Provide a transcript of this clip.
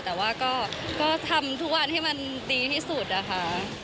แต่ว่าก็ทำทุกวันให้มันดีที่สุดนะคะ